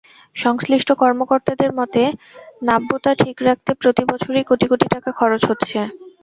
সংশ্লিষ্ট কর্মকর্তাদের মতে, নাব্যতা ঠিক রাখতে প্রতি বছরই কোটি কোটি টাকা খরচ হচ্ছে।